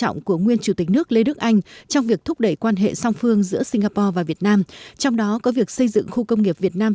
nguyên chủ tịch nước đại tướng lê đức anh